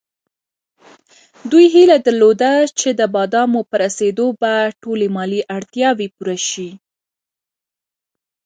دوی هیله درلوده چې د بادامو په رسېدو به ټولې مالي اړتیاوې پوره شي.